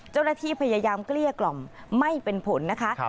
เจ้าหน้าที่พยายามเกลี้ยกล่อมไม่เป็นผลนะคะ